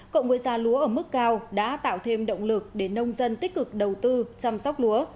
cộng với giá lúa ở mức cao đã tạo thêm động lực để nông dân tích cực đầu tư chăm sóc lúa